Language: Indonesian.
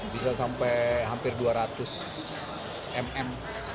bisa sampai hampir dua ratus mm